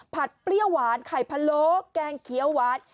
ผัดเปรี้ยวหวานไข่พะโลกแกงเคียววัด